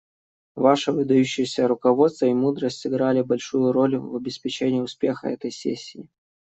Ваше выдающееся руководство и мудрость сыграли большую роль в обеспечении успеха этой сессии.